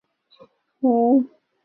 彭抗以其女胜娘嫁许逊之子。